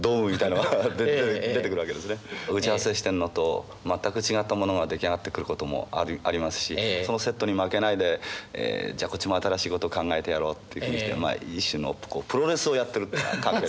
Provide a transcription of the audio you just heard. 打ち合わせしてるのと全く違ったものが出来上がってくることもありますしそのセットに負けないでじゃこっちも新しいこと考えてやろうっていう気持ちで一種のプロレスをやってるって感覚。